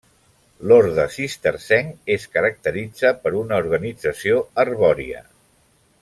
L'orde cistercenc es caracteritza per una organització arbòria.